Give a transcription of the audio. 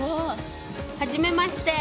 はじめまして。